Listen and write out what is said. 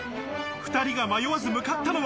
２人が迷わず向かったのは。